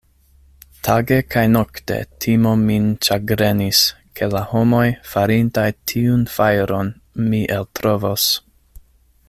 Tage kaj nokte timo min ĉagrenis, ke la homoj, farintaj tiun fajron, mi eltrovos.